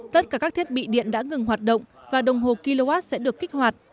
tất cả các thiết bị điện đã ngừng hoạt động và đồng hồ kw sẽ được kích hoạt